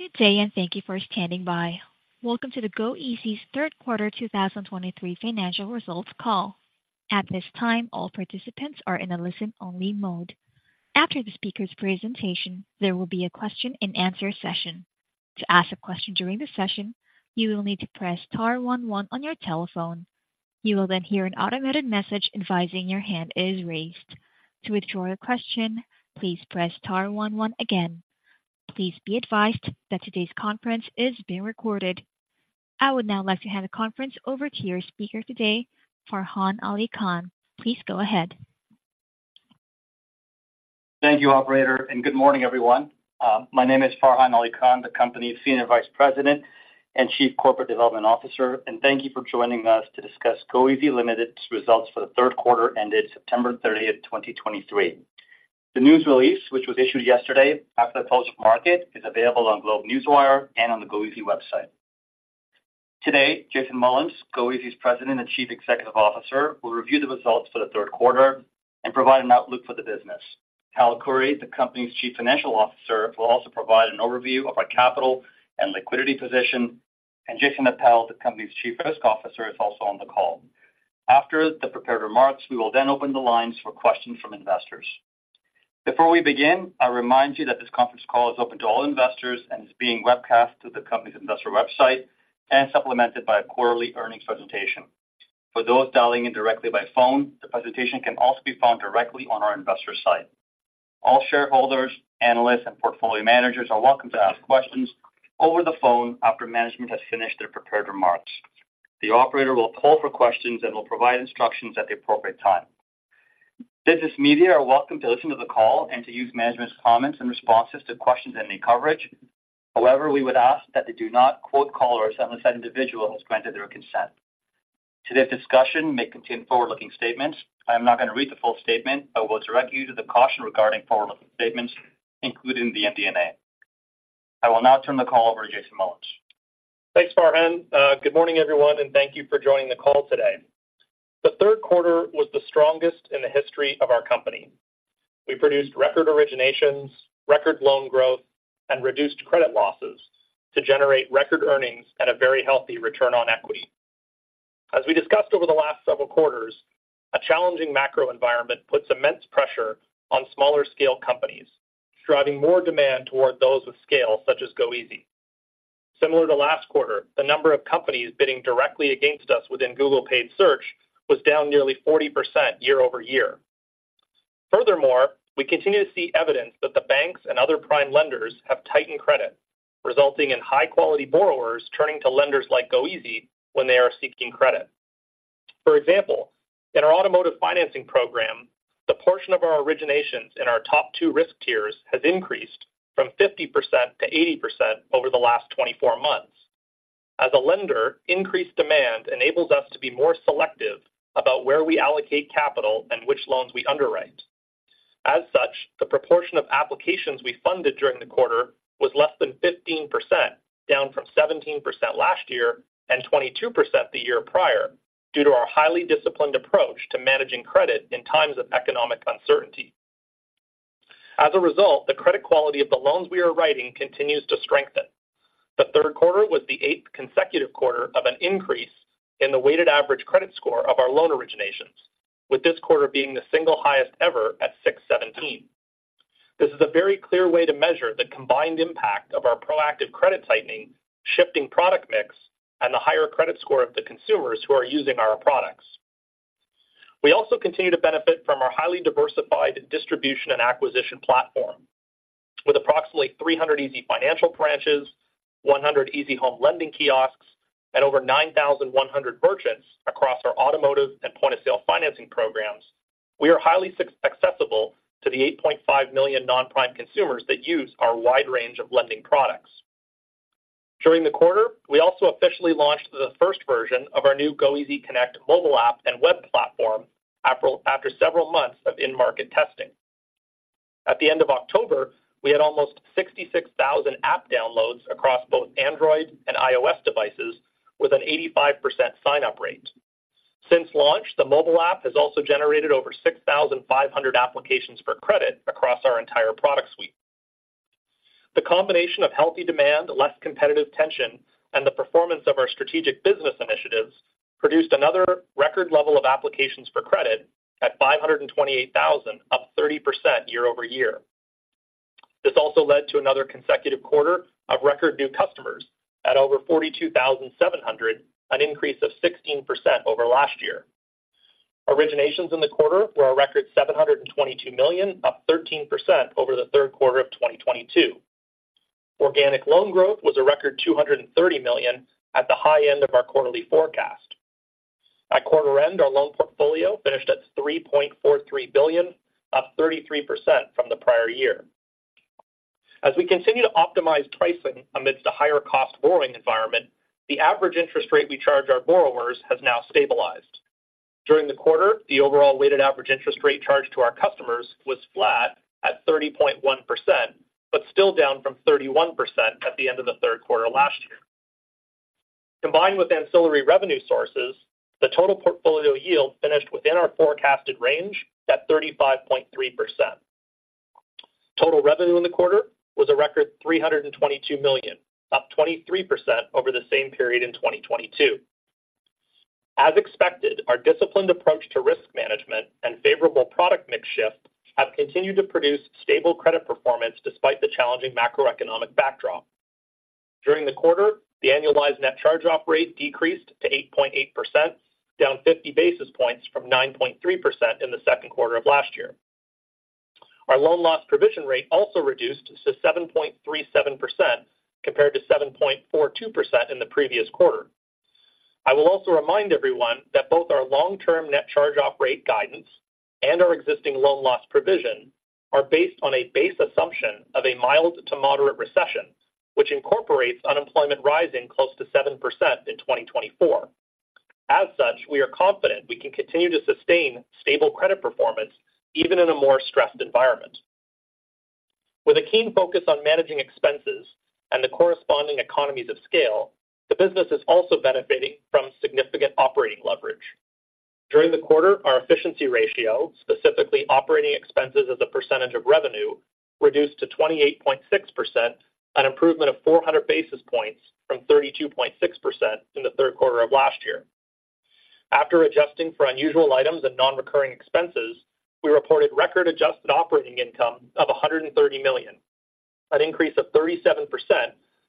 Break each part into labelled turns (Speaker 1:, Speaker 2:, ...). Speaker 1: Good day, and thank you for standing by. Welcome to the goeasy's third quarter 2023 financial results call. At this time, all participants are in a listen-only mode. After the speaker's presentation, there will be a question-and-answer session. To ask a question during the session, you will need to press *1 on your telephone. You will then hear an automated message advising your hand is raised. To withdraw your question, please press *11 again. Please be advised that today's conference is being recorded. I would now like to hand the conference over to your speaker today, Farhan Ali Khan. Please go ahead.
Speaker 2: Thank you, operator, and good morning, everyone. My name is Farhan Ali Khan, the company's Senior Vice President and Chief Corporate Development Officer, and thank you for joining us to discuss goeasy Ltd.'s results for the third quarter ended September 30, 2023. The news release, which was issued yesterday after the post-market, is available on GlobeNewswire and on the goeasy website. Today, Jason Mullins, goeasy's President and Chief Executive Officer, will review the results for the third quarter and provide an outlook for the business. Hal Khouri, the company's Chief Financial Officer, will also provide an overview of our capital and liquidity position, and Jason Appel, the company's Chief Risk Officer, is also on the call. After the prepared remarks, we will then open the lines for questions from investors. Before we begin, I remind you that this conference call is open to all investors and is being webcast to the company's investor website and supplemented by a quarterly earnings presentation. For those dialing in directly by phone, the presentation can also be found directly on our investor site. All shareholders, analysts, and portfolio managers are welcome to ask questions over the phone after management has finished their prepared remarks. The operator will poll for questions and will provide instructions at the appropriate time. Business media are welcome to listen to the call and to use management's comments and responses to questions in any coverage. However, we would ask that they do not quote callers unless that individual has granted their consent. Today's discussion may contain forward-looking statements. I'm not going to read the full statement, but we'll direct you to the caution regarding forward-looking statements included in the MD&A. I will now turn the call over to Jason Mullins.
Speaker 3: Thanks, Farhan. Good morning, everyone, and thank you for joining the call today. The third quarter was the strongest in the history of our company. We produced record originations, record loan growth, and reduced credit losses to generate record earnings at a very healthy return on equity. As we discussed over the last several quarters, a challenging macro environment puts immense pressure on smaller-scale companies, driving more demand toward those with scale, such as goeasy. Similar to last quarter, the number of companies bidding directly against us within Google paid search was down nearly 40% year-over-year. Furthermore, we continue to see evidence that the banks and other prime lenders have tightened credit, resulting in high-quality borrowers turning to lenders like goeasy when they are seeking credit. For example, in our automotive financing program, the portion of our originations in our top two risk tiers has increased from 50% to 80% over the last 24 months. As a lender, increased demand enables us to be more selective about where we allocate capital and which loans we underwrite. As such, the proportion of applications we funded during the quarter was less than 15%, down from 17% last year and 22% the year prior, due to our highly disciplined approach to managing credit in times of economic uncertainty. As a result, the credit quality of the loans we are writing continues to strengthen. The third quarter was the eighth consecutive quarter of an increase in the weighted average credit score of our loan originations, with this quarter being the single highest ever at 617. This is a very clear way to measure the combined impact of our proactive credit tightening, shifting product mix, and the higher credit score of the consumers who are using our products. We also continue to benefit from our highly diversified distribution and acquisition platform. With approximately 300 easyfinancial branches, 100 easyhome lending kiosks, and over 9,100 merchants across our automotive and point-of-sale financing programs, we are highly accessible to the 8.5 million non-prime consumers that use our wide range of lending products. During the quarter, we also officially launched the first version of our new goeasy Connect mobile app and web platform after several months of in-market testing. At the end of October, we had almost 66,000 app downloads across both Android and iOS devices, with an 85% sign-up rate. Since launch, the mobile app has also generated over 6,500 applications for credit across our entire product suite. The combination of healthy demand, less competitive tension, and the performance of our strategic business initiatives produced another record level of applications for credit at 528,000, up 30% year-over-year. This also led to another consecutive quarter of record new customers at over 42,700, an increase of 16% over last year. Originations in the quarter were a record 722 million, up 13% over the third quarter of 2022. Organic loan growth was a record 230 million at the high end of our quarterly forecast. At quarter end, our loan portfolio finished at 3.43 billion, up 33% from the prior year. As we continue to optimize pricing amidst a higher-cost borrowing environment, the average interest rate we charge our borrowers has now stabilized. During the quarter, the overall weighted average interest rate charged to our customers was flat at 30.1%, but still down from 31% at the end of the third quarter last year.... Combined with ancillary revenue sources, the total portfolio yield finished within our forecasted range at 35.3%. Total revenue in the quarter was a record 322 million, up 23% over the same period in 2022. As expected, our disciplined approach to risk management and favorable product mix shift have continued to produce stable credit performance despite the challenging macroeconomic backdrop. During the quarter, the annualized net charge-off rate decreased to 8.8%, down 50 basis points from 9.3% in the second quarter of last year. Our loan loss provision rate also reduced to 7.37%, compared to 7.42% in the previous quarter. I will also remind everyone that both our long-term net charge-off rate guidance and our existing loan loss provision are based on a base assumption of a mild to moderate recession, which incorporates unemployment rising close to 7% in 2024. As such, we are confident we can continue to sustain stable credit performance even in a more stressed environment. With a keen focus on managing expenses and the corresponding economies of scale, the business is also benefiting from significant operating leverage. During the quarter, our efficiency ratio, specifically operating expenses as a percentage of revenue, reduced to 28.6%, an improvement of 400 basis points from 32.6% in the third quarter of last year. After adjusting for unusual items and non-recurring expenses, we reported record adjusted operating income of 130 million, an increase of 37%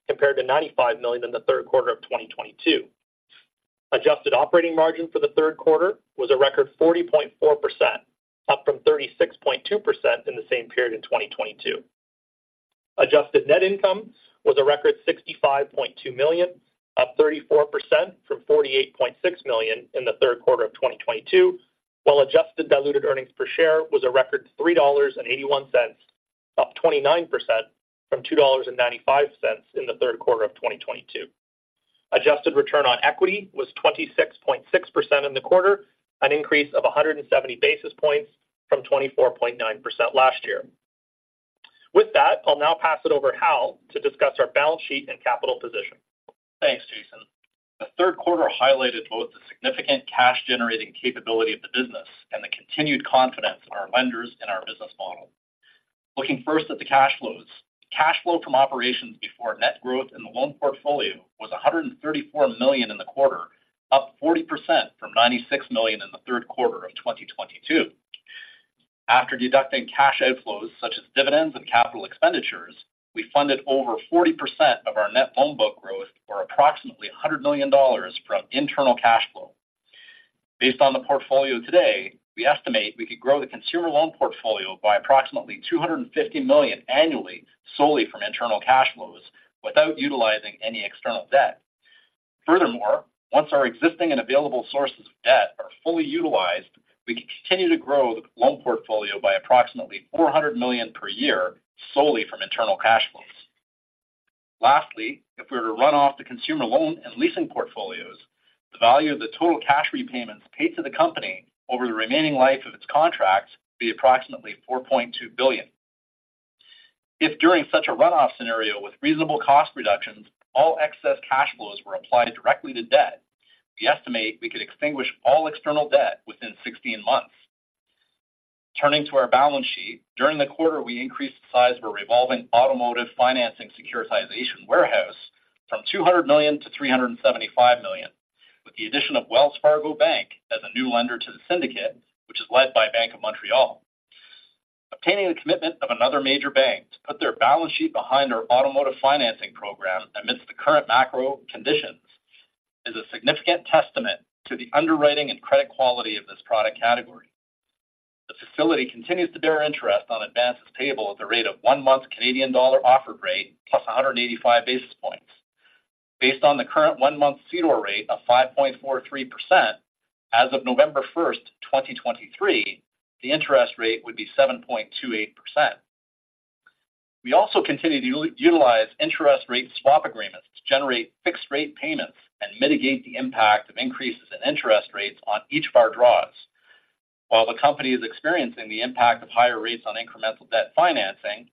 Speaker 3: compared to 95 million in the third quarter of 2022. Adjusted operating margin for the third quarter was a record 40.4%, up from 36.2% in the same period in 2022. Adjusted net income was a record 65.2 million, up 34% from 48.6 million in the third quarter of 2022, while adjusted diluted earnings per share was a record 3.81 dollars, up 29% from 2.95 dollars in the third quarter of 2022. Adjusted return on equity was 26.6% in the quarter, an increase of 170 basis points from 24.9% last year. With that, I'll now pass it over to Hal to discuss our balance sheet and capital position.
Speaker 4: Thanks, Jason. The third quarter highlighted both the significant cash-generating capability of the business and the continued confidence in our lenders in our business model. Looking first at the cash flows. Cash flow from operations before net growth in the loan portfolio was 134 million in the quarter, up 40% from 96 million in the third quarter of 2022. After deducting cash outflows, such as dividends and capital expenditures, we funded over 40% of our net loan book growth, or approximately 100 million dollars from internal cash flow. Based on the portfolio today, we estimate we could grow the consumer loan portfolio by approximately 250 million annually, solely from internal cash flows without utilizing any external debt. Furthermore, once our existing and available sources of debt are fully utilized, we can continue to grow the loan portfolio by approximately 400 million per year, solely from internal cash flows. Lastly, if we were to run off the consumer loan and leasing portfolios, the value of the total cash repayments paid to the company over the remaining life of its contracts would be approximately 4.2 billion. If during such a run-off scenario with reasonable cost reductions, all excess cash flows were applied directly to debt, we estimate we could extinguish all external debt within 16 months. Turning to our balance sheet, during the quarter, we increased the size of our revolving automotive financing securitization warehouse from 200 million to 375 million, with the addition of Wells Fargo Bank as a new lender to the syndicate, which is led by Bank of Montreal. Obtaining the commitment of another major bank to put their balance sheet behind our automotive financing program amidst the current macro conditions is a significant testament to the underwriting and credit quality of this product category. The facility continues to bear interest on advances payable at the rate of one-month Canadian Dollar Offered Rate, plus 185 basis points. Based on the current one-month CDOR rate of 5.43%, as of November 1, 2023, the interest rate would be 7.28%. We also continue to utilize interest rate swap agreements to generate fixed rate payments and mitigate the impact of increases in interest rates on each of our draws. While the company is experiencing the impact of higher rates on incremental debt financing,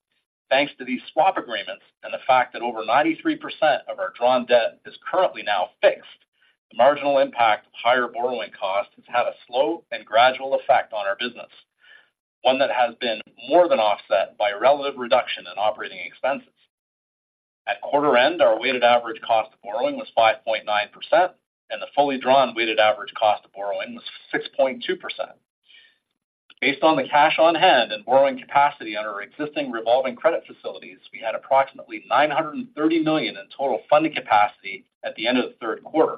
Speaker 4: thanks to these swap agreements and the fact that over 93% of our drawn debt is currently now fixed, the marginal impact of higher borrowing costs has had a slow and gradual effect on our business, one that has been more than offset by a relative reduction in operating expenses. At quarter end, our weighted average cost of borrowing was 5.9%, and the fully drawn weighted average cost of borrowing was 6.2%. Based on the cash on hand and borrowing capacity under our existing revolving credit facilities, we had approximately 930 million in total funding capacity at the end of the third quarter.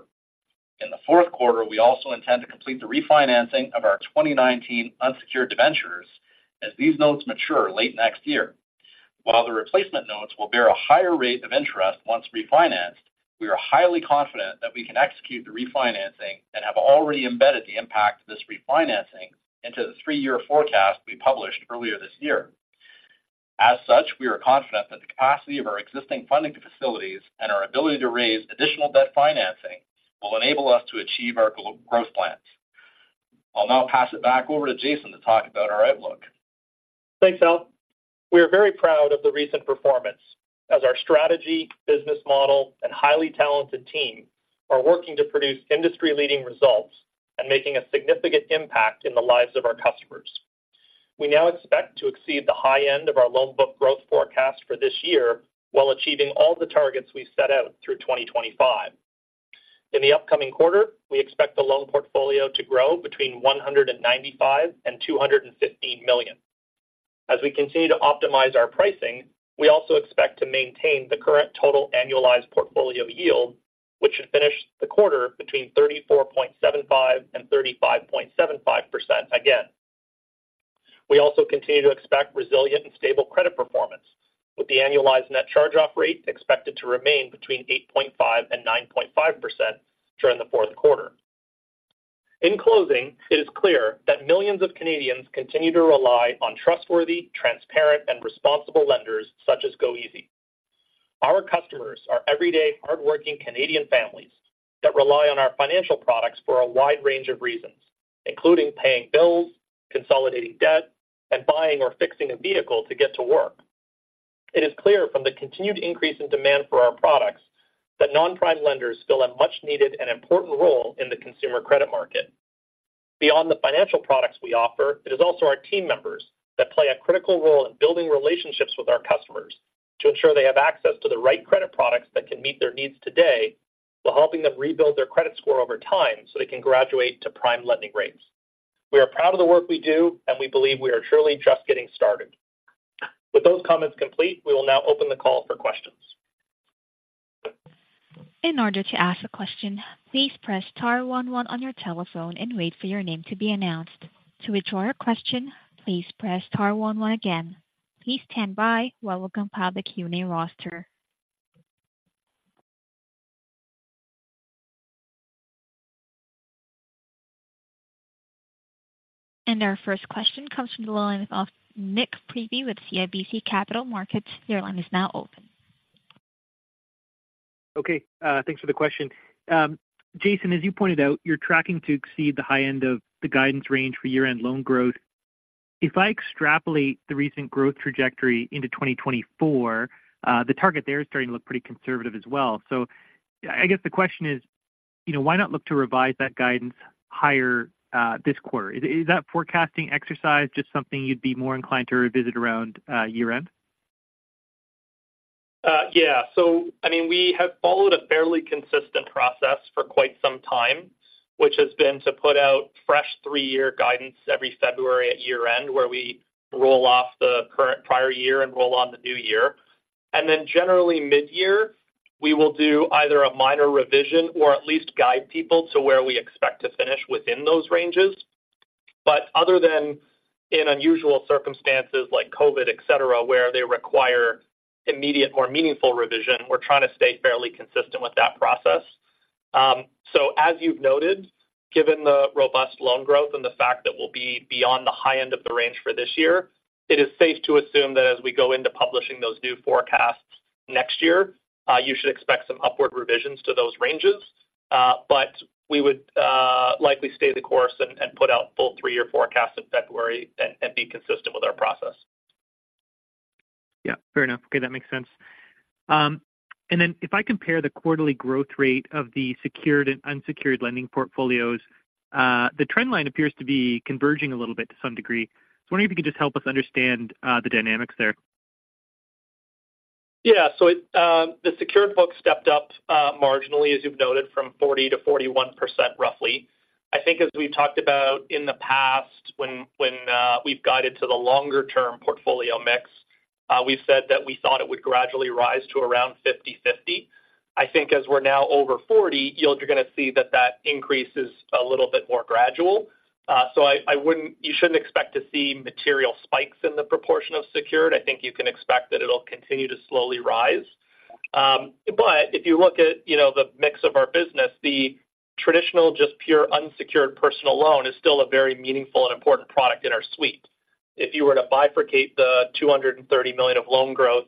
Speaker 4: In the fourth quarter, we also intend to complete the refinancing of our 2019 unsecured debentures as these notes mature late next year. While the replacement notes will bear a higher rate of interest once refinanced, we are highly confident that we can execute the refinancing and have already embedded the impact of this refinancing into the three-year forecast we published earlier this year. As such, we are confident that the capacity of our existing funding facilities and our ability to raise additional debt financing will enable us to achieve our growth plans.... I'll now pass it back over to Jason to talk about our outlook.
Speaker 3: Thanks, Hal. We are very proud of the recent performance as our strategy, business model, and highly talented team are working to produce industry-leading results and making a significant impact in the lives of our customers. We now expect to exceed the high end of our loan book growth forecast for this year, while achieving all the targets we've set out through 2025. In the upcoming quarter, we expect the loan portfolio to grow between 195 million and 215 million. As we continue to optimize our pricing, we also expect to maintain the current total annualized portfolio yield, which should finish the quarter between 34.75% and 35.75% again. We also continue to expect resilient and stable credit performance, with the annualized net charge-off rate expected to remain between 8.5% and 9.5% during the fourth quarter. In closing, it is clear that millions of Canadians continue to rely on trustworthy, transparent, and responsible lenders such as goeasy. Our customers are everyday, hardworking Canadian families that rely on our financial products for a wide range of reasons, including paying bills, consolidating debt, and buying or fixing a vehicle to get to work. It is clear from the continued increase in demand for our products that non-prime lenders fill a much-needed and important role in the consumer credit market. Beyond the financial products we offer, it is also our team members that play a critical role in building relationships with our customers to ensure they have access to the right credit products that can meet their needs today, while helping them rebuild their credit score over time so they can graduate to prime lending rates. We are proud of the work we do, and we believe we are truly just getting started. With those comments complete, we will now open the call for questions.
Speaker 1: In order to ask a question, please press *11 on your telephone and wait for your name to be announced. To withdraw your question, please press *11 again. Please stand by while we compile the Q&A roster. Our first question comes from the line of Nik Priebe with CIBC Capital Markets. Your line is now open.
Speaker 5: Okay, thanks for the question. Jason, as you pointed out, you're tracking to exceed the high end of the guidance range for year-end loan growth. If I extrapolate the recent growth trajectory into 2024, the target there is starting to look pretty conservative as well. So I, I guess the question is, you know, why not look to revise that guidance higher, this quarter? Is, is that forecasting exercise just something you'd be more inclined to revisit around, year-end?.
Speaker 3: So, I mean, we have followed a fairly consistent process for quite some time, which has been to put out fresh three-year guidance every February at year-end, where we roll off the current prior year and roll on the new year. And then generally mid-year, we will do either a minor revision or at least guide people to where we expect to finish within those ranges. But other than in unusual circumstances like COVID, et cetera, where they require immediate or meaningful revision, we're trying to stay fairly consistent with that process. So as you've noted, given the robust loan growth and the fact that we'll be beyond the high end of the range for this year, it is safe to assume that as we go into publishing those new forecasts next year, you should expect some upward revisions to those ranges. But we would likely stay the course and put out full three-year forecasts in February and be consistent with our process.,
Speaker 5: fair enough. Okay, that makes sense. And then if I compare the quarterly growth rate of the secured and unsecured lending portfolios, the trend line appears to be converging a little bit to some degree. So I wonder if you could just help us understand the dynamics there?.
Speaker 3: So it, the secured book stepped up, marginally, as you've noted, from 40 to 41%, roughly. I think as we've talked about in the past, when we've guided to the longer-term portfolio mix, we've said that we thought it would gradually rise to around 50/50. I think as we're now over 40, you're gonna see that that increase is a little bit more gradual. So you shouldn't expect to see material spikes in the proportion of secured. I think you can expect that it'll continue to slowly rise. But if you look at, you know, the mix of our business, the traditional, just pure unsecured personal loan is still a very meaningful and important product in our suite. If you were to bifurcate the 230 million of loan growth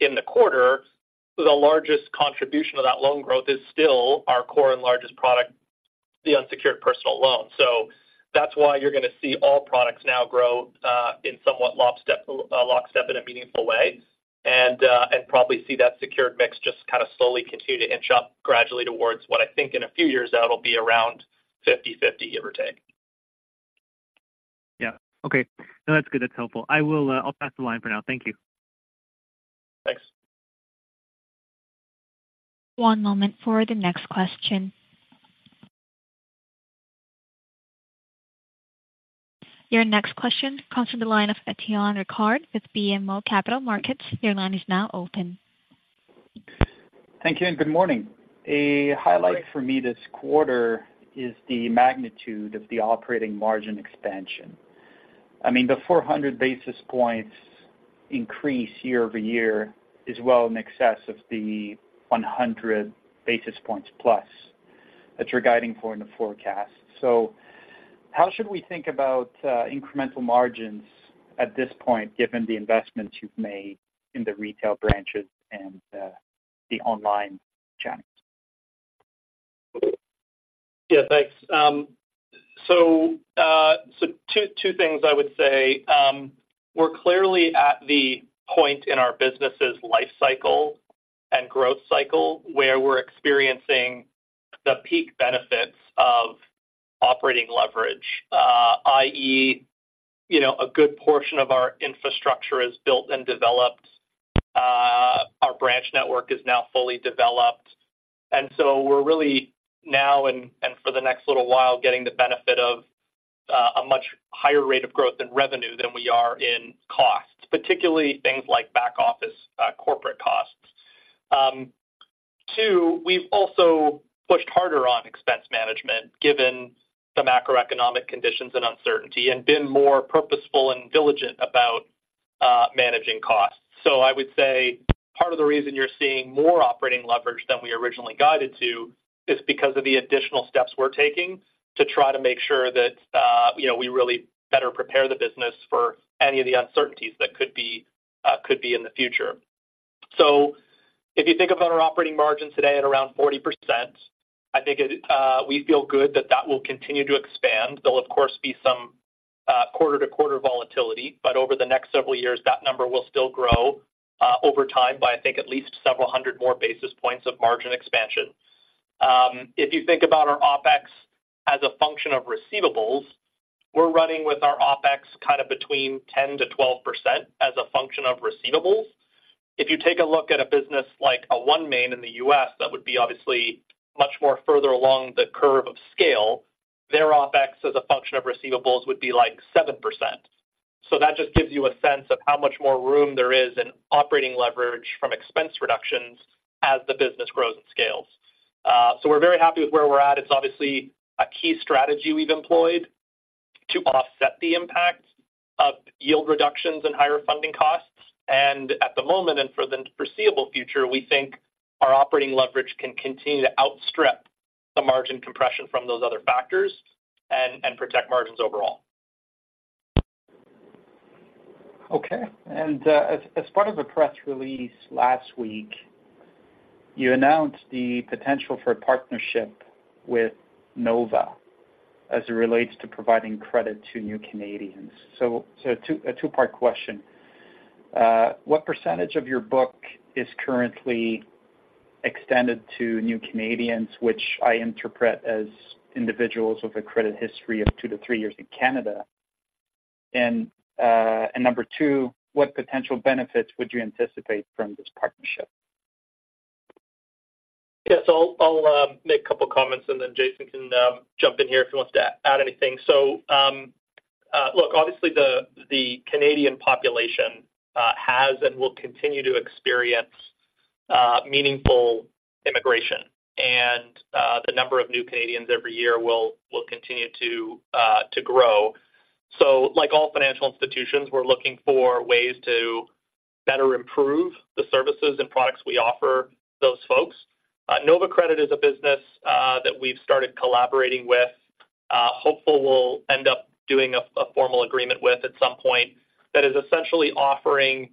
Speaker 3: in the quarter, the largest contribution of that loan growth is still our core and largest product, the unsecured personal loan. So that's why you're gonna see all products now grow, in somewhat lockstep, lockstep in a meaningful way, and, and probably see that secured mix just kind of slowly continue to inch up gradually towards what I think in a few years out, will be around 50/50, give or take. .
Speaker 5: Okay. No, that's good. That's helpful. I will, I'll pass the line for now. Thank you.
Speaker 3: Thanks.
Speaker 1: One moment for the next question. Your next question comes from the line of Etienne Ricard with BMO Capital Markets. Your line is now open.
Speaker 6: Thank you and good morning. A highlight for me this quarter is the magnitude of the operating margin expansion. I mean, the 400 basis points increase year-over-year is well in excess of the 100 basis points plus that you're guiding for in the forecast. So how should we think about incremental margins at this point, given the investments you've made in the retail branches and the online channels?,
Speaker 3: thanks. So, two things I would say. We're clearly at the point in our business's life cycle and growth cycle where we're experiencing the peak benefits of operating leverage. I.e., you know, a good portion of our infrastructure is built and developed. Our branch network is now fully developed, and so we're really now and for the next little while getting the benefit of a much higher rate of growth in revenue than we are in costs, particularly things like back office corporate costs. Two, we've also pushed harder on expense management, given the macroeconomic conditions and uncertainty, and been more purposeful and diligent about managing costs. So I would say part of the reason you're seeing more operating leverage than we originally guided to is because of the additional steps we're taking to try to make sure that, you know, we really better prepare the business for any of the uncertainties that could be, could be in the future. So if you think about our operating margin today at around 40%, I think it, we feel good that that will continue to expand. There'll, of course, be some, quarter-to-quarter volatility, but over the next several years, that number will still grow, over time by, I think, at least several hundred more basis points of margin expansion. If you think about our OpEx as a function of receivables, we're running with our OpEx kind of between 10%-12% as a function of receivables. If you take a look at a business like OneMain in the U.S., that would be obviously much more further along the curve of scale. Their OpEx as a function of receivables would be, like, 7%. So that just gives you a sense of how much more room there is in operating leverage from expense reductions as the business grows and scales. So we're very happy with where we're at. It's obviously a key strategy we've employed to offset the impact of yield reductions and higher funding costs. And at the moment, and for the foreseeable future, we think our operating leverage can continue to outstrip the margin compression from those other factors and, and protect margins overall.
Speaker 6: Okay. As part of a press release last week, you announced the potential for a partnership with Nova as it relates to providing credit to new Canadians. So, a two-part question. What percentage of your book is currently extended to new Canadians, which I interpret as individuals with a credit history of two to three years in Canada? And number two, what potential benefits would you anticipate from this partnership?
Speaker 3: Yes, I'll make a couple comments, and then Jason can jump in here if he wants to add anything. So, look, obviously the Canadian population has and will continue to experience meaningful immigration, and the number of new Canadians every year will continue to grow. So like all financial institutions, we're looking for ways to better improve the services and products we offer those folks. Nova Credit is a business that we've started collaborating with, hopeful we'll end up doing a formal agreement with at some point, that is essentially offering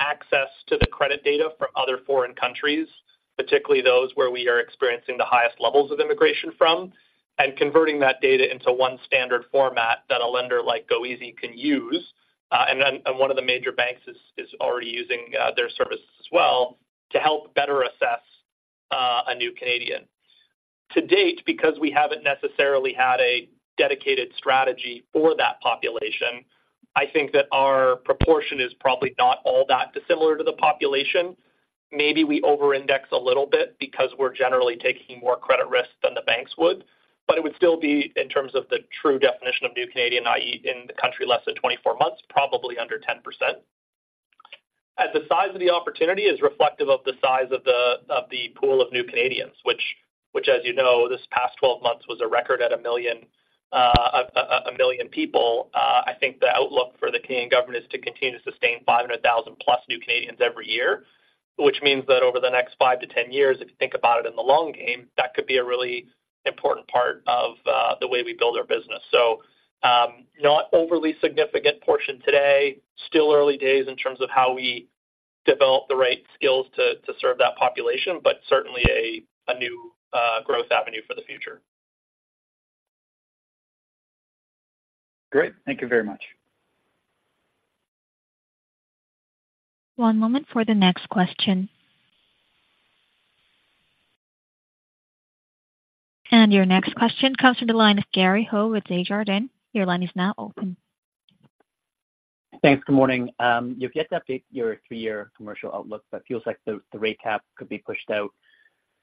Speaker 3: access to the credit data from other foreign countries, particularly those where we are experiencing the highest levels of immigration from, and converting that data into one standard format that a lender like goeasy can use. And then, and one of the major banks is, is already using, their services as well to help better assess, a new Canadian. To date, because we haven't necessarily had a dedicated strategy for that population, I think that our proportion is probably not all that dissimilar to the population. Maybe we over-index a little bit because we're generally taking more credit risks than the banks would, but it would still be in terms of the true definition of new Canadian, i.e., in the country less than 24 months, probably under 10%. As the size of the opportunity is reflective of the size of the pool of new Canadians, which, as you know, this past 12 months was a record at a million people. I think the outlook for the Canadian government is to continue to sustain 500,000+ new Canadians every year, which means that over the next 5-10 years, if you think about it in the long game, that could be a really important part of the way we build our business. So, not overly significant portion today. Still early days in terms of how we develop the right skills to serve that population, but certainly a new growth avenue for the future.
Speaker 6: Great. Thank you very much.
Speaker 1: One moment for the next question. Your next question comes from the line of Gary Ho with Desjardins. Your line is now open.
Speaker 7: Thanks. Good morning. You've yet to update your three-year commercial outlook, but it feels like the rate cap could be pushed out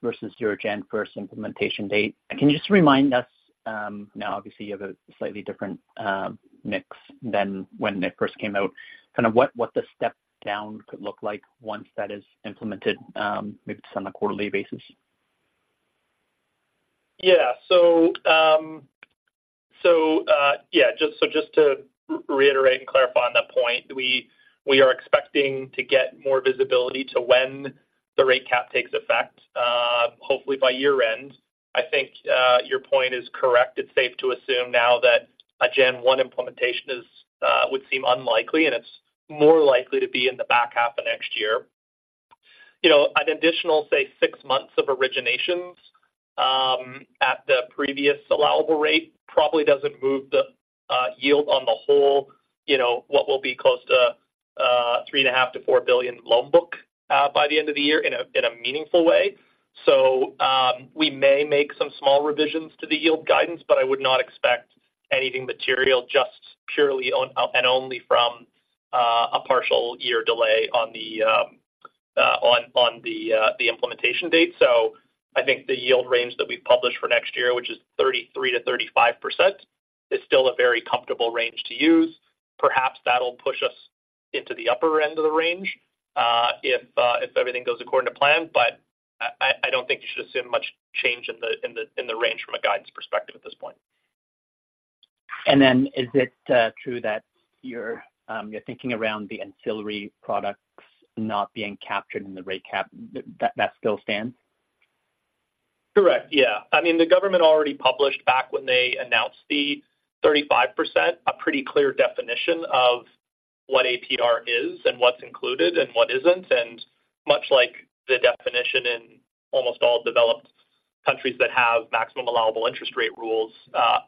Speaker 7: versus your January first implementation date. Can you just remind us, now, obviously, you have a slightly different mix than when it first came out, kind of what the step down could look like once that is implemented, maybe just on a quarterly basis?.
Speaker 3: So, , just to reiterate and clarify on that point, we are expecting to get more visibility to when the rate cap takes effect, hopefully by year-end. I think your point is correct. It's safe to assume now that a January 1 implementation would seem unlikely, and it's more likely to be in the back half of next year. You know, an additional, say, six months of originations at the previous allowable rate probably doesn't move the yield on the whole, you know, what will be close to 3.5-4 billion loan book by the end of the year in a meaningful way. So, we may make some small revisions to the yield guidance, but I would not expect anything material just purely on, and only from, a partial year delay on the implementation date. So I think the yield range that we've published for next year, which is 33%-35%, is still a very comfortable range to use. Perhaps that'll push us into the upper end of the range, if everything goes according to plan. But I don't think you should assume much change in the range from a guidance perspective at this point.
Speaker 7: Is it true that you're thinking around the ancillary products not being captured in the rate cap, that still stands?
Speaker 3: Correct.. I mean, the government already published back when they announced the 35%, a pretty clear definition of what APR is and what's included and what isn't. And much like the definition in almost all developed countries that have maximum allowable interest rate rules,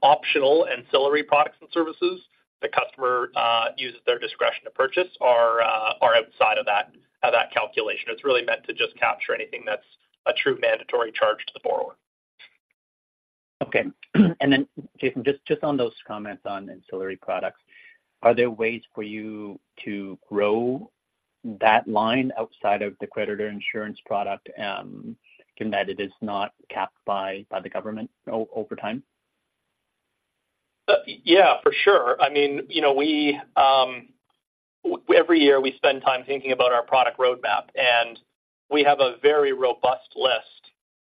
Speaker 3: optional ancillary products and services the customer uses their discretion to purchase are outside of that, of that calculation. It's really meant to just capture anything that's a true mandatory charge to the borrower.
Speaker 7: Okay. Then, Jason, just, just on those comments on ancillary products, are there ways for you to grow that line outside of the creditor insurance product, given that it is not capped by, by the government over time?,
Speaker 3: for sure. I mean, you know, we every year we spend time thinking about our product roadmap, and we have a very robust list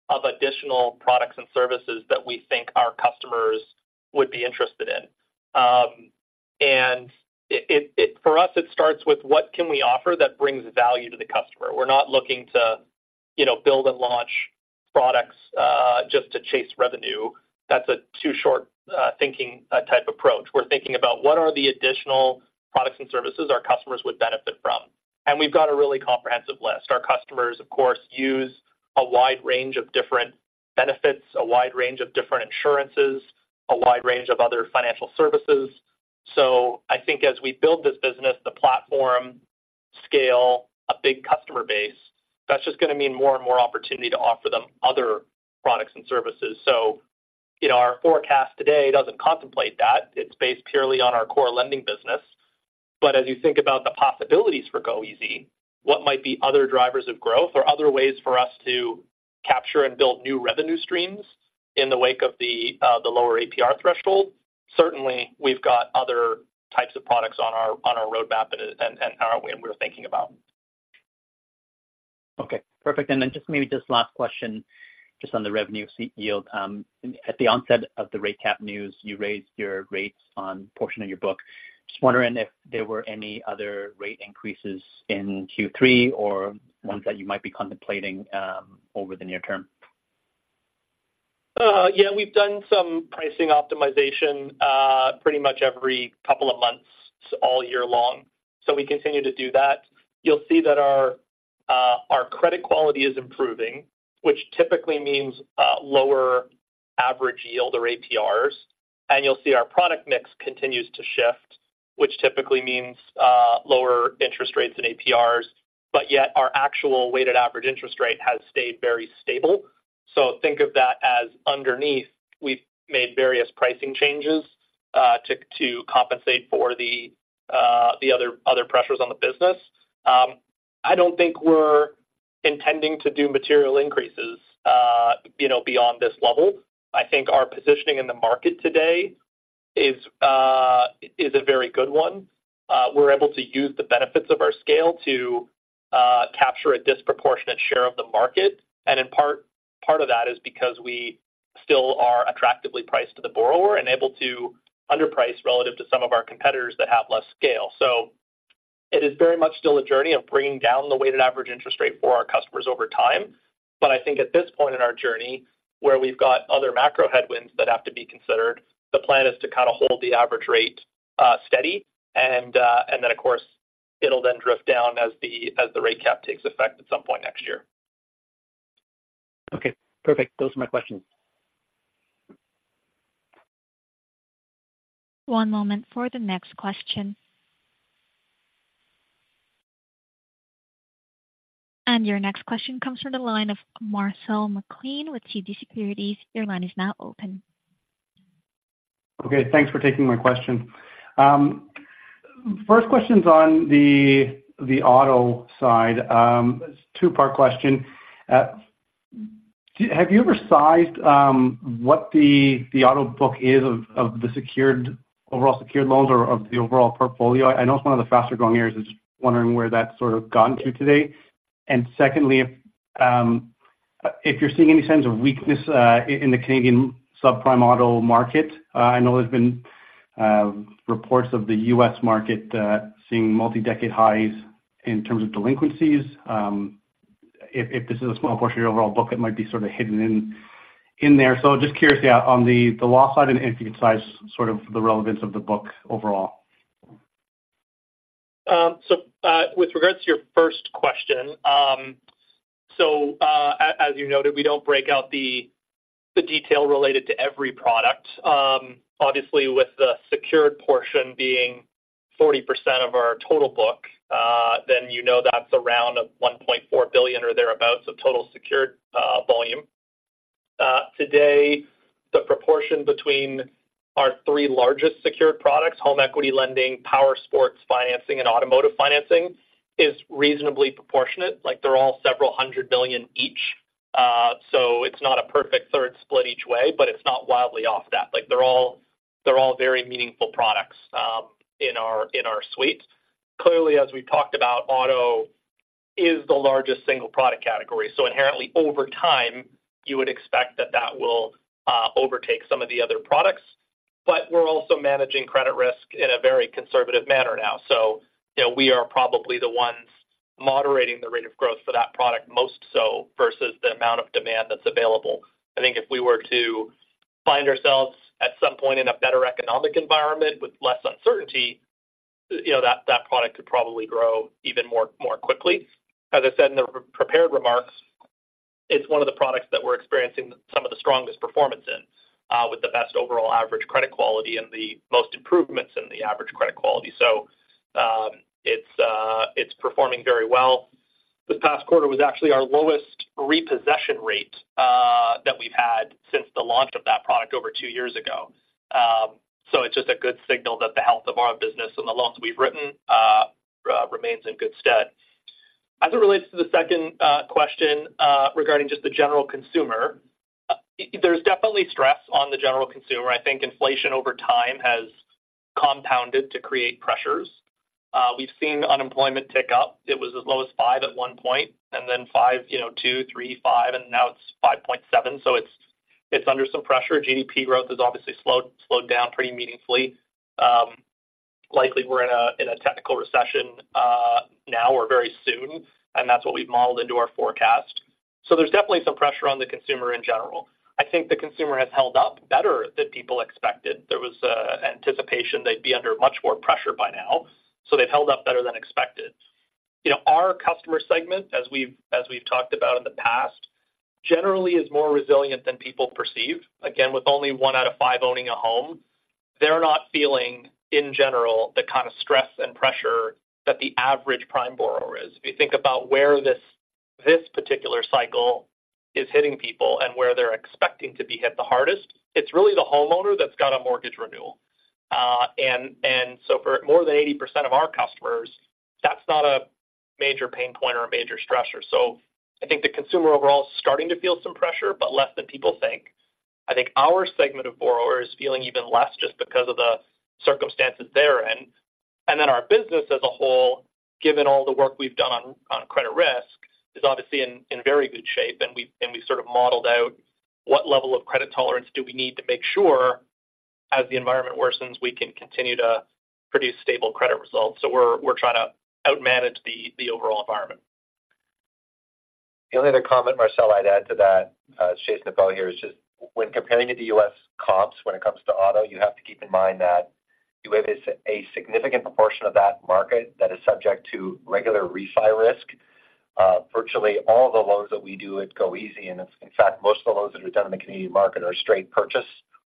Speaker 3: of additional products and services that we think our customers would be interested in. And, for us, it starts with what can we offer that brings value to the customer? We're not looking to, you know, build and launch products just to chase revenue. That's a too short thinking type approach. We're thinking about what are the additional products and services our customers would benefit from, and we've got a really comprehensive list. Our customers, of course, use a wide range of different benefits, a wide range of different insurances, a wide range of other financial services. So I think as we build this business, the platform scale, a big customer base, that's just gonna mean more and more opportunity to offer them other products and services. So, you know, our forecast today doesn't contemplate that. It's based purely on our core lending business. But as you think about the possibilities for goeasy, what might be other drivers of growth or other ways for us to capture and build new revenue streams in the wake of the lower APR threshold, certainly we've got other types of products on our roadmap and we're thinking about.
Speaker 7: Okay, perfect. And then just maybe this last question, just on the revenue yield. At the onset of the rate cap news, you raised your rates on portion of your book. Just wondering if there were any other rate increases in Q3 or ones that you might be contemplating over the near term.,
Speaker 3: we've done some pricing optimization, pretty much every couple of months, all year long. So we continue to do that. You'll see that our credit quality is improving, which typically means lower average yield or APRs, and you'll see our product mix continues to shift, which typically means lower interest rates than APRs, but yet our actual weighted average interest rate has stayed very stable. So think of that as underneath. We've made various pricing changes to compensate for the other pressures on the business. I don't think we're intending to do material increases, you know, beyond this level. I think our positioning in the market today is a very good one. We're able to use the benefits of our scale to capture a disproportionate share of the market. In part of that is because we still are attractively priced to the borrower and able to underprice relative to some of our competitors that have less scale. So it is very much still a journey of bringing down the weighted average interest rate for our customers over time. But I think at this point in our journey, where we've got other macro headwinds that have to be considered, the plan is to kind of hold the average rate steady. And then, of course, it'll then drift down as the rate cap takes effect at some point next year.
Speaker 7: Okay, perfect. Those are my questions.
Speaker 1: One moment for the next question. Your next question comes from the line of Marcel McLean with TD Securities. Your line is now open.
Speaker 8: Okay, thanks for taking my question. First question's on the auto side. Two-part question. Have you ever sized what the auto book is of the secured overall secured loans or of the overall portfolio? I know it's one of the faster growing areas. I was just wondering where that's sort of gotten to today. And secondly, if you're seeing any signs of weakness in the Canadian subprime auto market. I know there's been reports of the U.S. market seeing multi-decade highs in terms of delinquencies, if this is a small portion of your overall book, it might be sort of hidden in there. So just curious,, on the loss side and if you can size sort of the relevance of the book overall.
Speaker 3: So, with regards to your first question, so, as you noted, we don't break out the detail related to every product. Obviously, with the secured portion being 40% of our total book, then you know, that's around 1.4 billion or thereabouts of total secured volume. Today, the proportion between our three largest secured products, home equity lending, powersports financing, and automotive financing, is reasonably proportionate. Like, they're all CAD several hundred million each. So it's not a perfect third split each way, but it's not wildly off that. Like, they're all very meaningful products, in our suite. Clearly, as we talked about, auto is the largest single product category, so inherently, over time, you would expect that that will overtake some of the other products. But we're also managing credit risk in a very conservative manner now. So you know, we are probably the ones moderating the rate of growth for that product, most so versus the amount of demand that's available. I think if we were to find ourselves at some point in a better economic environment with less uncertainty, you know, that product could probably grow even more, more quickly. As I said in the re- prepared remarks, it's one of the products that we're experiencing some of the strongest performance in, with the best overall average credit quality and the most improvements in the average credit quality. So, it's performing very well. This past quarter was actually our lowest repossession rate, that we've had since the launch of that product over two years ago. So it's just a good signal that the health of our business and the loans we've written remains in good stead. As it relates to the second question regarding just the general consumer, there's definitely stress on the general consumer. I think inflation over time has compounded to create pressures. We've seen unemployment tick up. It was as low as 5% at one point, and then 5, you know, 2, 3, 5, and now it's 5.7%. So it's under some pressure. GDP growth has obviously slowed down pretty meaningfully. Likely, we're in a technical recession now or very soon, and that's what we've modeled into our forecast. So there's definitely some pressure on the consumer in general. I think the consumer has held up better than people expected. There was anticipation they'd be under much more pressure by now, so they've held up better than expected. You know, our customer segment, as we've talked about in the past, generally is more resilient than people perceive. Again, with only one out of five owning a home, they're not feeling, in general, the kind of stress and pressure that the average prime borrower is. If you think about where this particular cycle is hitting people and where they're expecting to be hit the hardest, it's really the homeowner that's got a mortgage renewal. And so for more than 80% of our customers, that's not a major pain point or a major stressor. So I think the consumer overall is starting to feel some pressure, but less than people think. I think our segment of borrowers is feeling even less just because of the circumstances they're in. And then our business as a whole, given all the work we've done on credit risk, is obviously in very good shape, and we sort of modeled out what level of credit tolerance do we need to make sure, as the environment worsens, we can continue to produce stable credit results. So we're trying to outmanage the overall environment.
Speaker 9: The only other comment, Marcel, I'd add to that, Jason Appel here, is just when comparing to the U.S. comps, when it comes to auto, you have to keep in mind that you have a significant proportion of that market that is subject to regular refi risk. Virtually all the loans that we do at goeasy, and in fact, most of the loans that are done in the Canadian market, are straight purchase,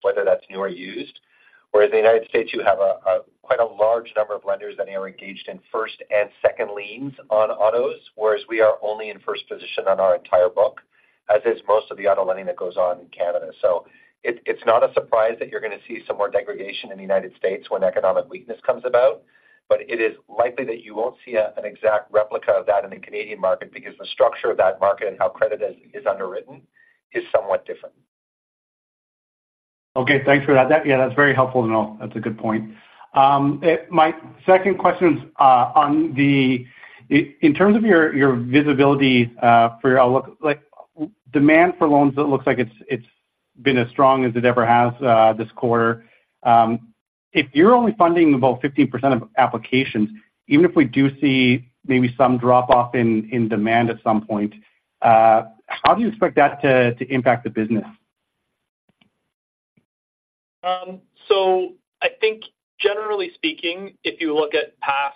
Speaker 9: whether that's new or used. Whereas in the United States, you have a quite large number of lenders that are engaged in first and second liens on autos, whereas we are only in first position on our entire book, as is most of the auto lending that goes on in Canada. It's not a surprise that you're gonna see some more degradation in the United States when economic weakness comes about, but it is likely that you won't see an exact replica of that in the Canadian market because the structure of that market and how credit is underwritten is somewhat different.
Speaker 8: Okay, thanks for that., that's very helpful to know. That's a good point. My second question is, in terms of your visibility for your outlook, like, demand for loans, it looks like it's been as strong as it ever has this quarter. If you're only funding about 15% of applications, even if we do see maybe some drop-off in demand at some point, how do you expect that to impact the business?
Speaker 3: So I think generally speaking, if you look at past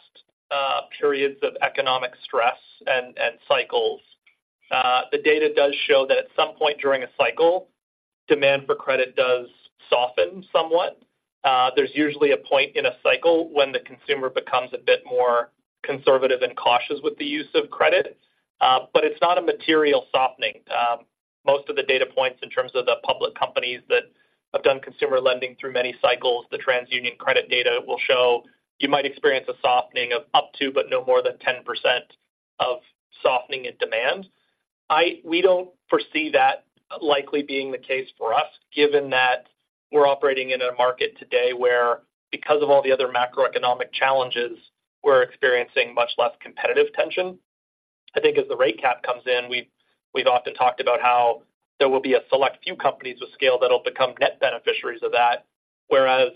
Speaker 3: periods of economic stress and cycles, the data does show that at some point during a cycle, demand for credit does soften somewhat. There's usually a point in a cycle when the consumer becomes a bit more conservative and cautious with the use of credit, but it's not a material softening. Most of the data points in terms of the public companies that have done consumer lending through many cycles, the TransUnion credit data will show you might experience a softening of up to, but no more than 10% of softening in demand. We don't foresee that likely being the case for us, given that we're operating in a market today where, because of all the other macroeconomic challenges, we're experiencing much less competitive tension. I think as the rate cap comes in, we've often talked about how there will be a select few companies with scale that will become net beneficiaries of that, whereas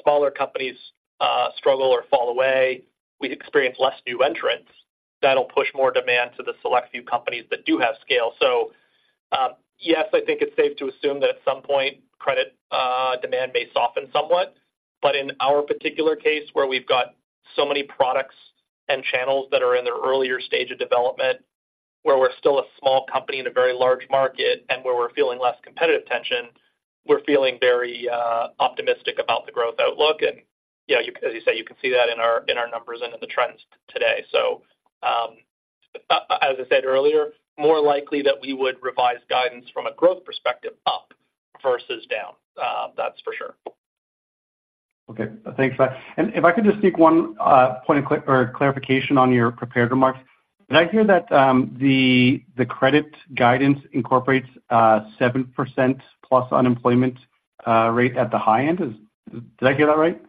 Speaker 3: smaller companies struggle or fall away. We experience less new entrants. That'll push more demand to the select few companies that do have scale. So, yes, I think it's safe to assume that at some point, credit demand may soften somewhat. But in our particular case, where we've got so many products and channels that are in their earlier stage of development, where we're still a small company in a very large market, and where we're feeling less competitive tension, we're feeling very optimistic about the growth outlook. And,, as you say, you can see that in our numbers and in the trends today. As I said earlier, more likely that we would revise guidance from a growth perspective up versus down, that's for sure.
Speaker 8: Okay, thanks for that. If I could just seek one point or clarification on your prepared remarks. Did I hear that the credit guidance incorporates 7%+ unemployment rate at the high end? Did I get that right?.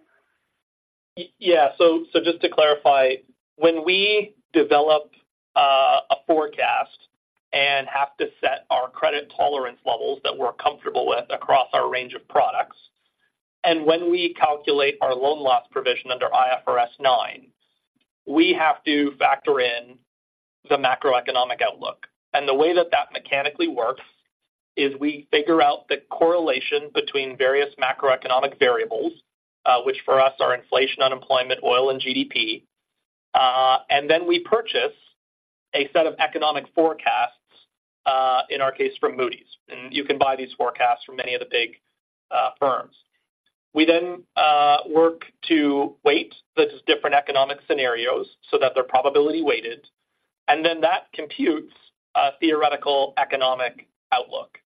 Speaker 3: So just to clarify, when we develop a forecast and have to set our credit tolerance levels that we're comfortable with across our range of products, and when we calculate our loan loss provision under IFRS 9, we have to factor in the macroeconomic outlook. And the way that that mechanically works is we figure out the correlation between various macroeconomic variables, which for us are inflation, unemployment, oil, and GDP. And then we purchase a set of economic forecasts, in our case, from Moody's, and you can buy these forecasts from many of the big firms. We then work to weight the different economic scenarios so that they're probability weighted, and then that computes a theoretical economic outlook.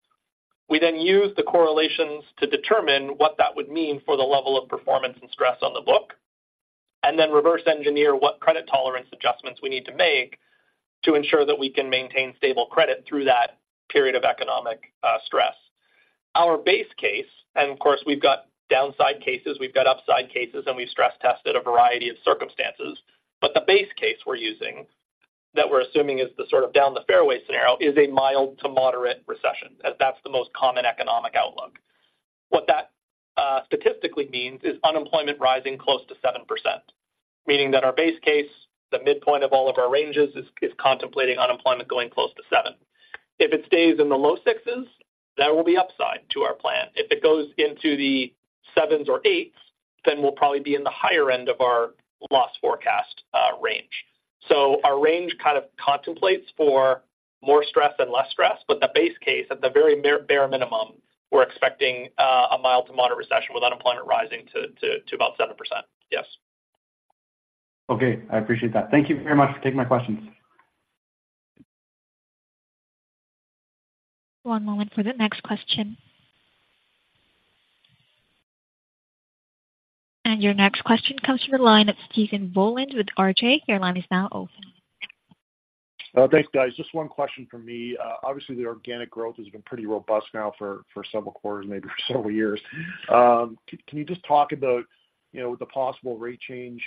Speaker 3: We then use the correlations to determine what that would mean for the level of performance and stress on the book, and then reverse engineer what credit tolerance adjustments we need to make to ensure that we can maintain stable credit through that period of economic stress. Our base case, and of course, we've got downside cases, we've got upside cases, and we've stress-tested a variety of circumstances. But the base case we're using, that we're assuming is the sort of down the fairway scenario, is a mild to moderate recession, as that's the most common economic outlook. What that statistically means is unemployment rising close to 7%, meaning that our base case, the midpoint of all of our ranges, is contemplating unemployment going close to 7. If it stays in the low sixes, that will be upside to our plan. If it goes into the 7s or 8s, then we'll probably be in the higher end of our loss forecast, range. So our range kind of contemplates for more stress and less stress, but the base case, at the very bare minimum, we're expecting a mild to moderate recession with unemployment rising to about 7%. Yes.
Speaker 8: Okay, I appreciate that. Thank you very much for taking my questions.
Speaker 1: One moment for the next question. Your next question comes from the line of Stephen Boland with RJ. Your line is now open.
Speaker 10: Thanks, guys. Just one question from me. Obviously, the organic growth has been pretty robust now for several quarters, maybe for several years. Can you just talk about, you know, the possible rate change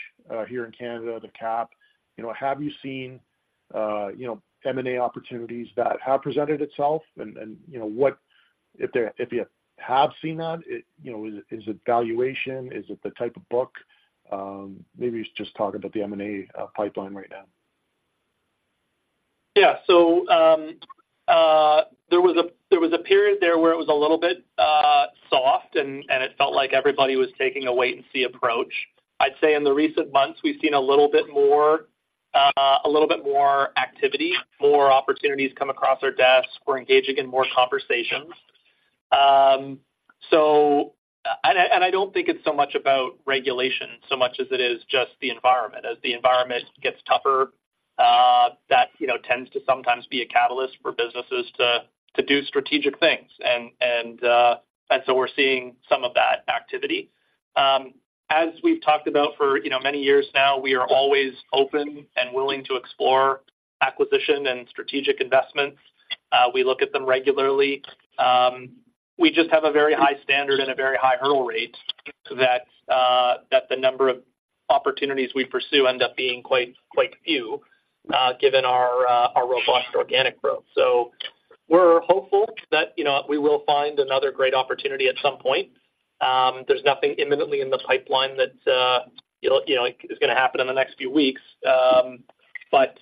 Speaker 10: here in Canada, the cap? You know, have you seen, you know, M&A opportunities that have presented itself? And, you know, what... If you have seen that, you know, is it valuation? Is it the type of book? Maybe just talk about the M&A pipeline right now..
Speaker 3: So, there was a period there where it was a little bit soft, and it felt like everybody was taking a wait and see approach. I'd say in the recent months, we've seen a little bit more activity, more opportunities come across our desks. We're engaging in more conversations. So, I don't think it's so much about regulation, so much as it is just the environment. As the environment gets tougher, that you know tends to sometimes be a catalyst for businesses to do strategic things. And so we're seeing some of that activity. As we've talked about for you know many years now, we are always open and willing to explore acquisition and strategic investments. We look at them regularly. We just have a very high standard and a very high hurdle rate that the number of opportunities we pursue end up being quite, quite few, given our robust organic growth. So we're hopeful that, you know, we will find another great opportunity at some point. There's nothing imminently in the pipeline that, you know, is gonna happen in the next few weeks. But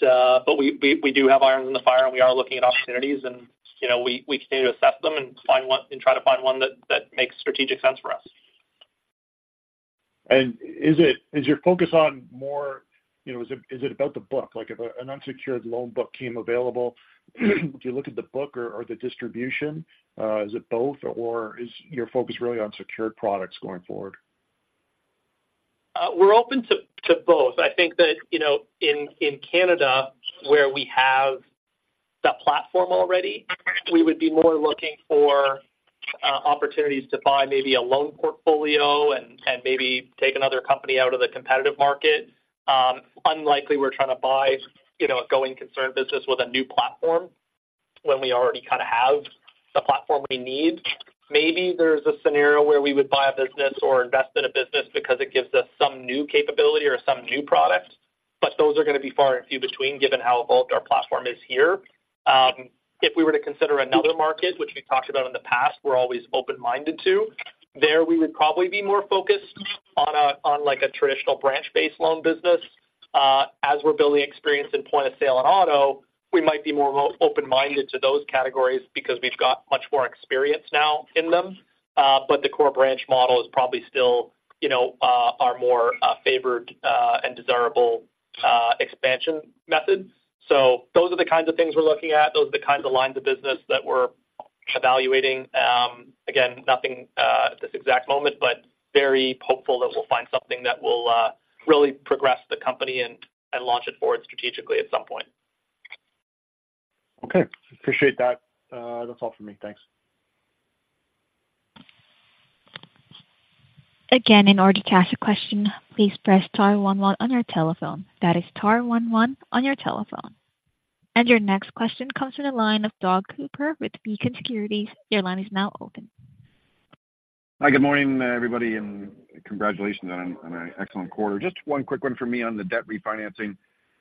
Speaker 3: we do have irons in the fire, and we are looking at opportunities. And, you know, we continue to assess them and try to find one that makes strategic sense for us.
Speaker 10: Is your focus on more...? You know, is it about the book? Like, if an unsecured loan book came available, do you look at the book or the distribution? Is it both, or is your focus really on secured products going forward?
Speaker 3: We're open to both. I think that, you know, in Canada, where we have the platform already, we would be more looking for opportunities to buy maybe a loan portfolio and maybe take another company out of the competitive market. Unlikely we're trying to buy, you know, a going concern business with a new platform when we already kind of have the platform we need. Maybe there's a scenario where we would buy a business or invest in a business because it gives us some new capability or some new product. But those are going to be far and few between, given how evolved our platform is here. If we were to consider another market, which we've talked about in the past, we're always open-minded to. There, we would probably be more focused on, like, a traditional branch-based loan business. As we're building experience in point-of-sale and auto, we might be more open-minded to those categories because we've got much more experience now in them. But the core branch model is probably still, you know, our more favored and desirable expansion method. So those are the kinds of things we're looking at. Those are the kinds of lines of business that we're evaluating. Again, nothing at this exact moment, but very hopeful that we'll find something that will really progress the company and, and launch it forward strategically at some point.
Speaker 10: Okay, appreciate that. That's all for me. Thanks.
Speaker 1: Again, in order to ask a question, please press *11 on your telephone. That is *11 on your telephone. And your next question comes from the line of Doug Cooper with Beacon Securities. Your line is now open.
Speaker 11: Hi, good morning, everybody, and congratulations on an excellent quarter. Just one quick one for me on the debt refinancing.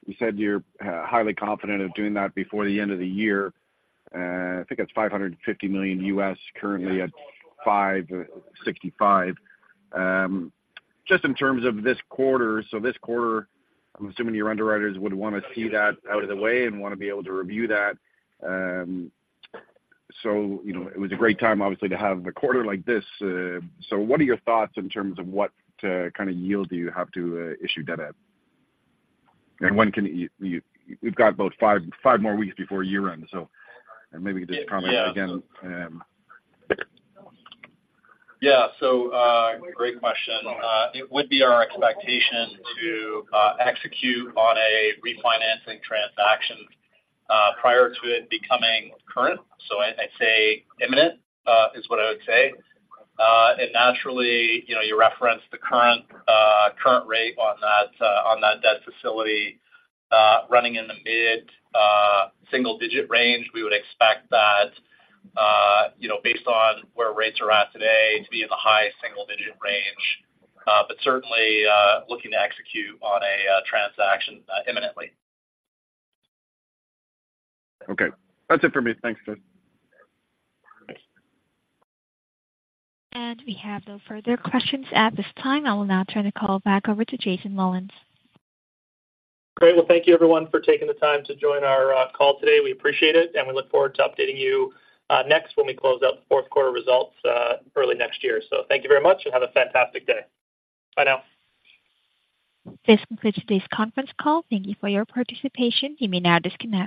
Speaker 11: You said you're highly confident of doing that before the end of the year. I think it's $550 million USD, currently at 5.65. Just in terms of this quarter, so this quarter, I'm assuming your underwriters would want to see that out of the way and want to be able to review that. So you know, it was a great time, obviously, to have a quarter like this. So what are your thoughts in terms of what kind of yield do you have to issue debt at? And when can you-- we've got about five more weeks before year-end, so and maybe this pricing again. .
Speaker 3: So, great question. It would be our expectation to execute on a refinancing transaction prior to it becoming current. So I'd say imminent is what I would say. And naturally, you know, you referenced the current rate on that debt facility running in the mid-single digit range. We would expect that, you know, based on where rates are at today, to be in the high-single digit range. But certainly looking to execute on a transaction imminently.
Speaker 11: Okay. That's it for me. Thanks, Jason.
Speaker 1: We have no further questions at this time. I will now turn the call back over to Jason Mullins.
Speaker 3: Great. Well, thank you, everyone, for taking the time to join our call today. We appreciate it, and we look forward to updating you next, when we close out the fourth quarter results early next year. So thank you very much, and have a fantastic day. Bye now.
Speaker 1: This concludes today's conference call. Thank you for your participation. You may now disconnect.